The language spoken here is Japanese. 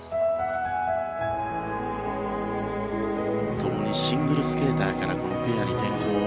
共にシングルスケーターからペアに転向。